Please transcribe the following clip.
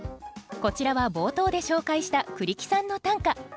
こちらは冒頭で紹介した栗木さんの短歌。